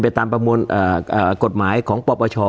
ตามประมวลกฎหมายของปปช